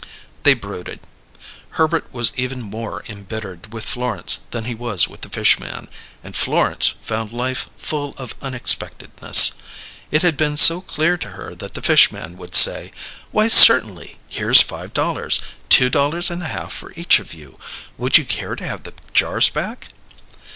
They brooded. Herbert was even more embittered with Florence than he was with the fish man, and Florence found life full of unexpectedness; it had been so clear to her that the fish man would say: "Why, certainly. Here's five dollars; two dollars and a half for each of you. Would you care to have the jars back?"